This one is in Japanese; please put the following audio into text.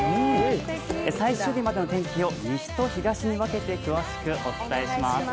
最終日までの天気を西と東に分けて詳しくお伝えします。